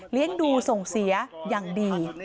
เลี้ยงดูส่งเสียอย่างดี